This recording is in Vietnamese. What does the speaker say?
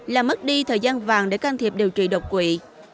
là mất đi thời gian vàng để can thiệp điều trị độc quỷ